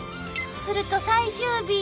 ［すると最終日］